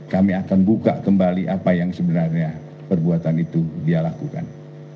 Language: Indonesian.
kami akan buka kembali apa yang sebenarnya perbuatan itu dia lakukan